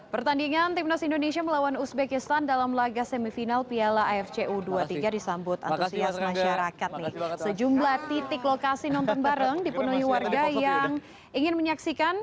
pertandingan timnas indonesia melawan uzbekistan dalam laga semifinal piala afc u dua puluh tiga disambut antusias masyarakat